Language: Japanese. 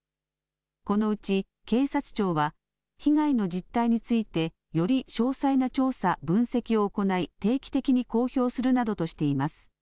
このうち警察庁は被害の実態について、より詳細な調査、分析を行い定期的に公表するなどとしています。